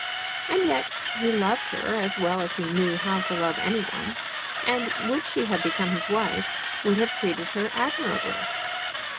And yet he loved her as well as he knew how to love any one, and, would she have become his wife, would have treated her admirably.